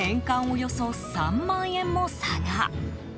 およそ３万円も差が。